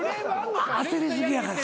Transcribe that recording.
焦り過ぎやから。